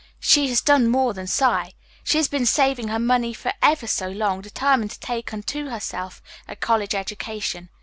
She has done more than sigh. She has been saving her money for ever so long, determined to take unto herself a college education.